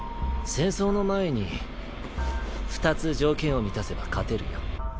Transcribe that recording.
戦争の前に２つ条件を満たせば勝てるよ。